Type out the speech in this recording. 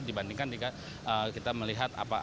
dibandingkan jika kita melihat